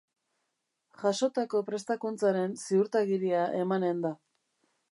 Jasotako prestakuntzaren ziurtagiria emanen da.